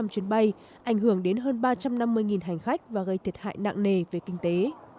tám trăm linh chuyến bay ảnh hưởng đến hơn ba trăm năm mươi hành khách và gây thiệt hại nặng nề về kinh tế